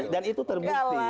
dan itu terbukti